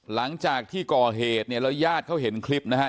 หลังจากที่ก่อเหตุเนี่ยแล้วญาติเขาเห็นคลิปนะฮะ